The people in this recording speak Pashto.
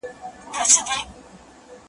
شاوخوا یې باندي ووهل څرخونه .